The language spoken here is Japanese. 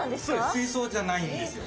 水槽じゃないんですよ。